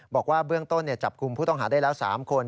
บอกว่าเบื้องต้นจับกลุ่มผู้ต้องหาได้แล้ว๓คน